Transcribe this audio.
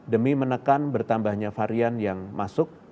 demi menekan bertambahnya varian yang masuk